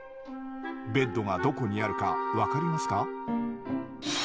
ベッドがどこにあるか分かりますか？